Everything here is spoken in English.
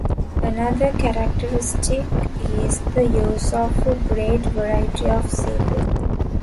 Another characteristic is the use of a great variety of seafood.